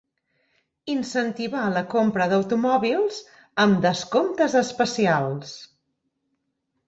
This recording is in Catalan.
Incentivar la compra d'automòbils amb descomptes especials.